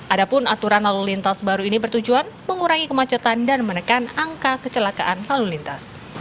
adapun aturan lalu lintas baru ini bertujuan mengurangi kemacetan dan menekan angka kecelakaan lalu lintas